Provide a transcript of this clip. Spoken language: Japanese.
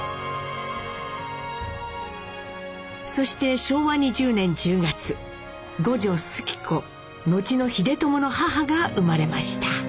そして昭和２０年１０月五女主基子後の英知の母が生まれました。